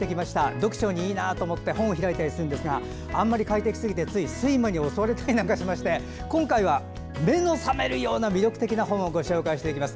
読書にいいなと思って本を開いたりしますがつい睡魔に襲われたりしまして今回は目の覚めるような魅力的な本をご紹介します。